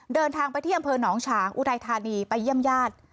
เดินทางไปที่อำเภอหนองฉางอุทัยธานีไปเยี่ยมญาติ